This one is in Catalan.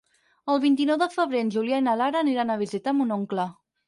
El vint-i-nou de febrer en Julià i na Lara aniran a visitar mon oncle.